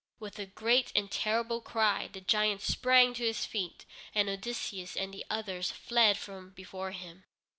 With a great and terrible cry the giant sprang to his feet, and Odysseus and the others fled from before him.